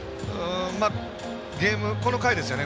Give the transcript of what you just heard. ゲーム、この回ですよね。